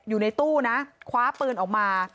อยู่ในตู้นะคว้าปืนออกมา